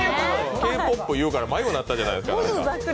Ｋ−ＰＯＰ言うから迷子になるじゃないですか。